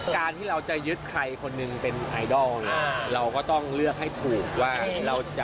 การที่เราจะยึดใครคนหนึ่งเป็นไอดอลเนี่ยเราก็ต้องเลือกให้ถูกว่า